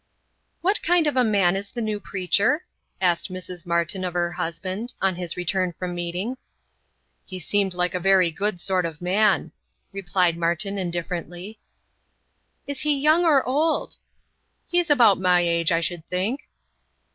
"What kind of a man is the new preacher?" asked Mrs. Martin of her husband, on his return from meeting. "He seemed like a very good sort of man," replied Martin, indifferently. "Is he young or old?" "He's about my age, I should think."